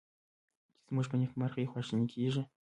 چې زمونږ په نیکمرغي خواشیني کیږي